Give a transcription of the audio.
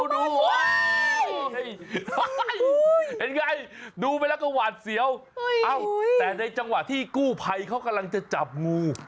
เห็นไงดูไปแล้วก็หวาดเสียวแต่ในจังหวะที่กู้ภัยเขากำลังจะจับงู